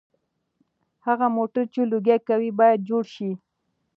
هغه موټر چې لوګي کوي باید جوړ شي.